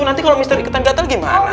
nanti kalau mister ikutan gatal gimana